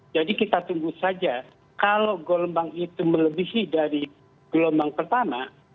jadi kita tunggu saja kalau gelombang itu melebihi dari gelombang pertama